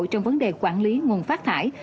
trong vấn đề quản lý nguồn phát thải